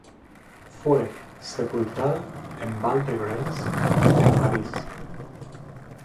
Fue sepultada en "Val-de-Grâce" en París.